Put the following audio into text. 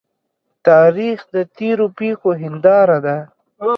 تاریخ د تیرو پیښو هنداره ده.